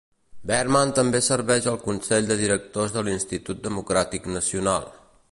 Berman també serveix al Consell de Directors de l'Institut Democràtic Nacional.